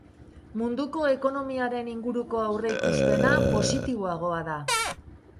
Munduko ekonomiaren inguruko aurreikuspena positiboagoa da.